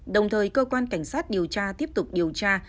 đồng thời cơ quan cảnh sát điều tra tiếp tục điều tra